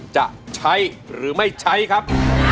จะใช้หรือไม่ใช้ครับ